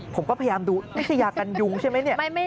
ผมก็พยายามดูนี่ไม่ใช่ยากันยุงใช่ไหม